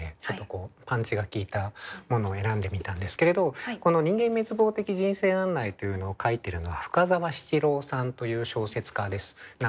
ちょっとこうパンチが効いたものを選んでみたんですけれどこの「人間滅亡的人生案内」というのを書いてるのは深沢七郎さんという小説家です。